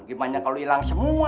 gimana kalau hilang semua